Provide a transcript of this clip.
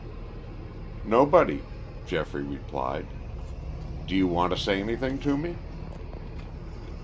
"Nobody," Geoffrey replied. "Do you want to say anything to me?"